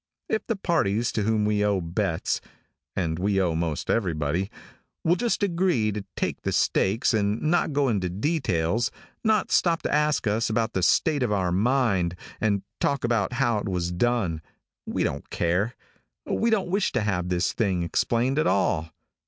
If the parties to whom we owe bets and we owe most everybody will just agree to take the stakes, and not go into details; not stop to ask us about the state of our mind, and talk about how it was done, we don't care. We don't wish to have this thing explained at all.